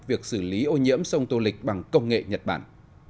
việc xử lý ô nhiễm sông tô lịch bằng công nghệ nhật bản